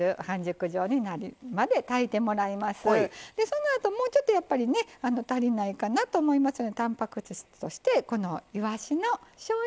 そのあともうちょっとやっぱりね足りないかなと思いますのでたんぱく質としてこのいわしのしょうゆ煮の缶詰ですね